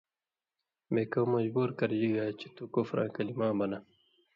بے کؤں مجبُور کرژِگا چے تُو کُفراں کلیۡماں بنہ